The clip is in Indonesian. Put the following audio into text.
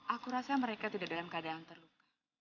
aku rasa mereka tidak dalam keadaan terluka